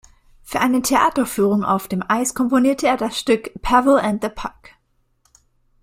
Für eine Theateraufführung auf dem Eis komponierte er das Stück "Pavel and the Puck".